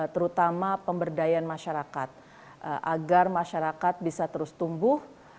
terutama pemberdayaan masyarakat agar masyarakat bisa terus tumbuh